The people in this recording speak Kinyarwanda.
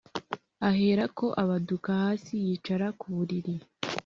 aherako abaduka hasi yicara ku buriri